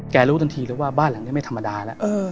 รู้ทันทีเลยว่าบ้านหลังนี้ไม่ธรรมดาแล้ว